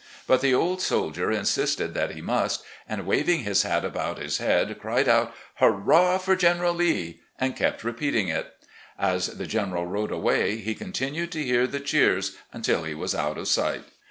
But the old soldier insisted that he must, and, waving his hat about his head, cried out: " Hurrah for General Lee !" and kept repeating it. As the General rode away he continued to hear the cheers until he was out of sight.